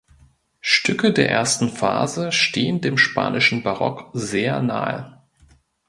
Stücke der ersten Phase stehen dem spanischen Barock sehr nahe.